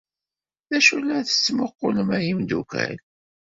D acu la tesmuqqulem ay imeddukal